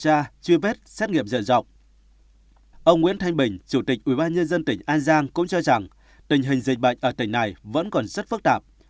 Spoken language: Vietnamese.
ông nguyễn thanh bình chủ tịch ubnd tỉnh an giang cũng cho rằng tình hình dịch bệnh ở tỉnh này vẫn còn rất phức tạp